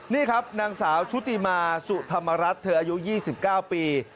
นี่ครับนางสาวชุติมาสุธรรมรัฐเธออายุ๒๙ปี